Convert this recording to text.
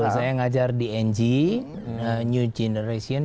saya ngajar di ng new generation